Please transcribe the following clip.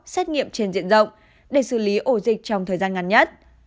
xét nghiệm trên diện rộng để xử lý ổ dịch trong thời gian ngắn nhất